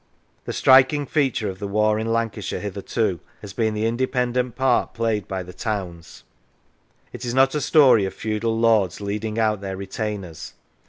The striking feature of the war in Lancashire hitherto has been the independent part played by the towns. It is not a story of feudal lords leading out their retainers.